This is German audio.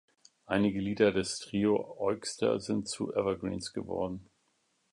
Einige Lieder des Trio Eugster sind zu Evergreens geworden.